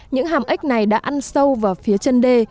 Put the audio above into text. những hàm ếch này đã ăn sâu vào phía chân đê